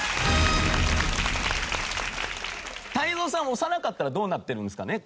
押さなかったらどうなってるんですかね？